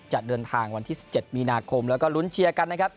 จะเดินทางวันที่๑๗มีนาคมแล้วก็ลุ้นเชียร์กันนะครับ